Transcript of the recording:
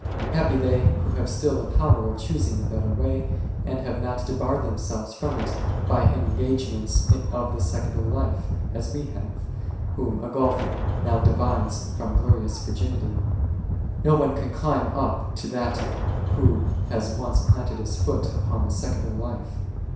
, Happy they who have still the power of choosing the better way, and have not debarred themselves from it *by engagements of the secular life, as we have, whom a gulf now divides from glorious virginity : no one can climb up to that who has once planted his foot upon the secular life.